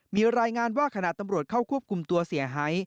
มีรายงานว่าขณะตำรวจเข้าควบคุมตัวเสียหาย